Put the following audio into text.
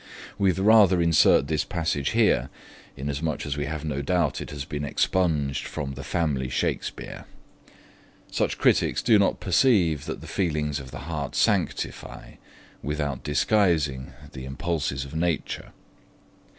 We the rather insert this passage here, inasmuch as we have no doubt it has been expunged from the Family Shakespeare. Such critics do not perceive that the feelings of the heart sanctify, without disguising, the impulses of nature.